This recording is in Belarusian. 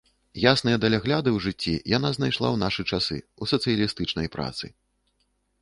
Ясныя далягляды ў жыцці яна знайшла ў нашы часы ў сацыялістычнай працы.